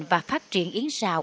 và phát triển yến rào